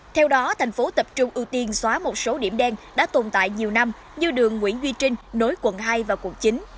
theo đó thành phố tập trung ưu tiên xóa một số điểm đen đã tồn tại nhiều năm như đường nguyễn duy trinh nối quận hai và quận chín